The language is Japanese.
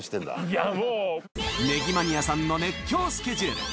ねぎマニアさんの熱狂スケジュール